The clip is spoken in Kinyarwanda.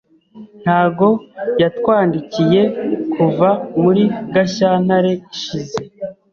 Ntabwo yatwandikiye kuva muri Gashyantare ishize.